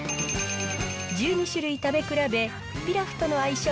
１２種類食べ比べ、ピラフとの相性